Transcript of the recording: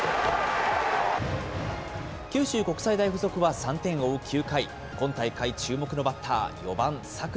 九州国際大付属は３点を追う９回、今大会注目のバッター、４番佐倉。